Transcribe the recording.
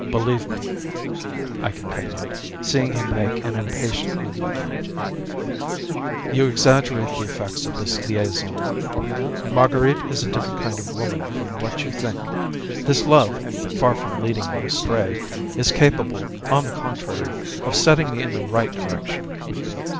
Believe me," I continued, seeing him make an impatient movement, "you exaggerate the effects of this liaison. Marguerite is a different kind of a woman from what you think. This love, far from leading me astray, is capable, on the contrary, of setting me in the right direction.